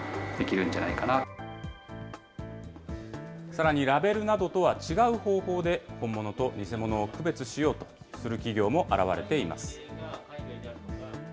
さらに、ラベルなどとは違う方法で、本物と偽物を区別しようとする企業も現れています。